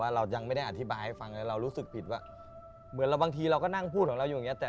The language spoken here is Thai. เรายังไม่ได้อธิบายให้ฟังเลยเรารู้สึกผิดว่าเหมือนเราบางทีเราก็นั่งพูดของเราอยู่อย่างเงี้แต่